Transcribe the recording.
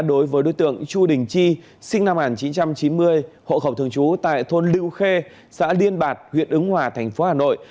đối với đối tượng chu đình chi sinh năm một nghìn chín trăm chín mươi hộ khẩu thường trú tại thôn lưu khê xã liên bạc huyện ứng hòa thành phố hà nội